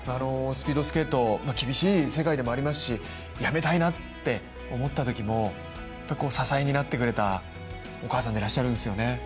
スピードスケート、厳しい世界でもありますし、辞めたいなって思ったときも支えになってくれたお母さんでいらっしゃるんですよね。